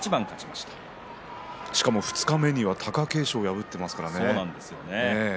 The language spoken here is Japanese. しかも二日目には貴景勝を破っていますからね。